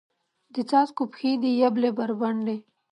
د څاڅکو پښې دي یبلې بربنډې